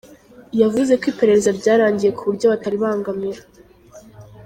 Yavuze ko iperereza ryarangiye ku buryo bataribangamira.